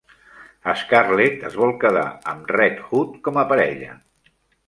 Scarlet es vol quedar amb Red Hood com a parella.